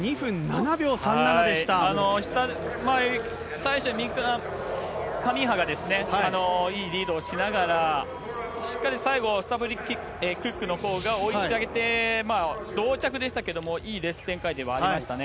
最初、カミンハがいいリードをしながら、しっかり最後、スタブルティクックのほうが追いついて、同着でしたけれども、いいレース展開ではありましたね。